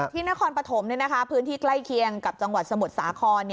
นครปฐมพื้นที่ใกล้เคียงกับจังหวัดสมุทรสาคร